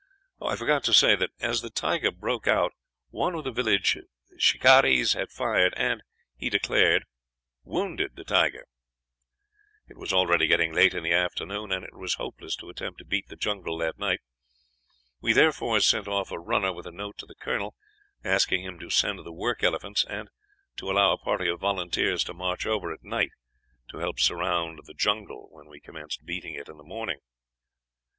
I forgot to say that as the tiger broke out one of the village shikarees had fired at and, he declared, wounded him. "It was already getting late in the afternoon, and it was hopeless to attempt to beat the jungle that night. We therefore sent off a runner with a note to the colonel, asking him to send the work elephants, and to allow a party of volunteers to march over at night, to help surround the jungle when we commenced beating it in the morning.